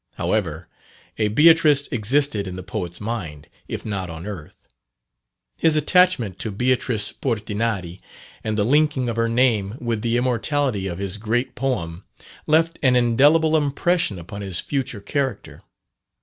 However, a Beatrice existed in the poet's mind, if not on earth. His attachment to Beatrice Portinari, and the linking of her name with the immortality of his great poem, left an indelible impression upon his future character.